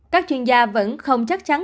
các chuyên gia vẫn không chắc chắn